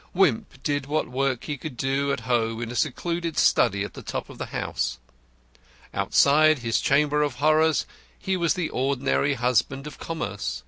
Wimp did what work he could do at home in a secluded study at the top of the house. Outside his chamber of horrors he was the ordinary husband of commerce.